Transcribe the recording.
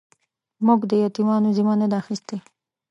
موږ د يتيمانو ذمه نه ده اخيستې.